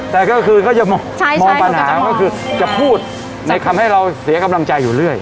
แต่ก็คือก็จะมองปัญหาก็คือจะพูดในคำให้เราเสียกำลังใจอยู่เรื่อย